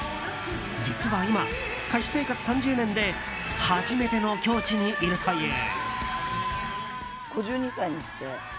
実は今、歌手生活３０年で初めての境地にいるという。